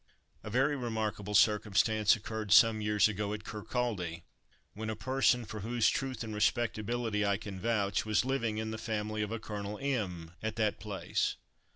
A very remarkable circumstance occurred some years ago, at Kirkaldy, when a person, for whose truth and respectability I can vouch, was living in the family of a Colonel M——, at that place.